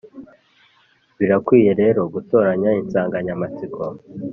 birakwiye rero gutoranya insanganyamatsiko,